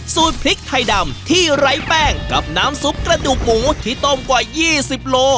พริกไทยดำที่ไร้แป้งกับน้ำซุปกระดูกหมูที่ต้มกว่า๒๐โล